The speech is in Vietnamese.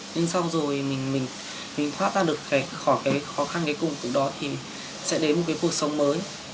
nhưng xong rồi mình thoát ra được khỏi cái khó khăn cái cùng đó thì sẽ đến một cái cuộc sống mới